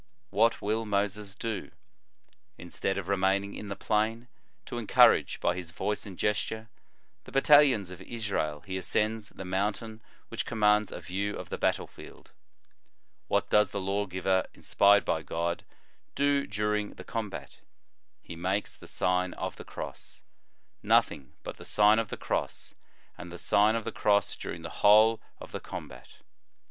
What will Moses do? Instead of remaining in the plain, to encourage, by his voice and gesture, the battalions of Israel, he ascends the mountain which commands a vfew of the battle field. What does the law giver, inspired by God, do during the com bat? He makes the Sign of the Cross, nothing but the Sign of the Cross, and the Sign of the Cross during the whole of the * De Fib. orthocL, lib. iv. c. 12. f De Baptism. 96 The Sign of the Cross combat.